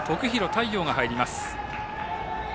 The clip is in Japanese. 太陽が入ります。